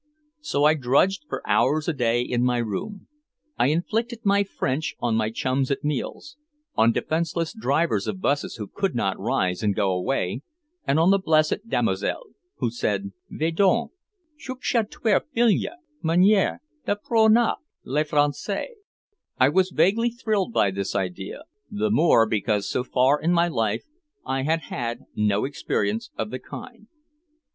So I drudged for hours a day in my room. I inflicted my French on my chums at meals, on defenseless drivers of 'buses who could not rise and go away, and on the Blessed Damozel, who said: "Va donc, cherches toi une fille. C'est la seule manière d'apprendre le Français." I was vaguely thrilled by this idea, the more because so far in my life I had had no experience of the kind.